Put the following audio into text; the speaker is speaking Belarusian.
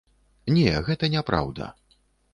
Не, гэта не праўда.